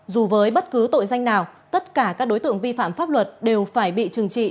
dù với bất cứ tội danh nào tất cả các đối tượng vi phạm pháp luật đều phải bị trừng trị